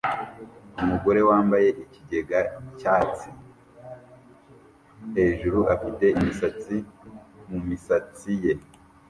Umugore wambaye ikigega cyatsi hejuru afite imisatsi mumisatsi ye